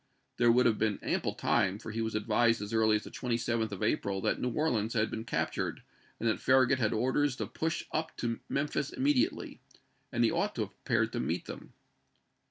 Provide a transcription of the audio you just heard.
There would have been ample time, for he was advised as early as the 27th of April that New Orleans had been 1862. captured and that Farragut had "orders to push up to Memphis immediately," and he ought to have prepared to meet him.